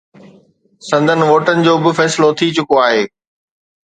سندن ووٽن جو به فيصلو ٿي چڪو آهي